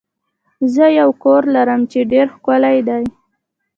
زه یو کور لرم چې ډیر ښکلی دی.